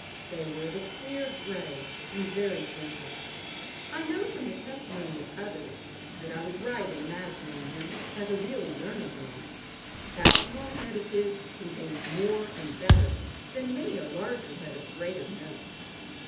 They were of a clear gray, and very gentle. I know from the testimony of others, that I was right in imagining him a really learned man. That small head of his contained more and better than many a larger head of greater note.